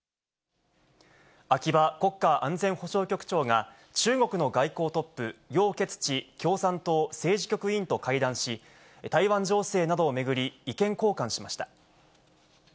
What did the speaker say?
秋葉国家安全保障局長が中国の外交トップ、楊潔ち共産党政治局員と会談し、台湾情勢などを巡り意見交換しました。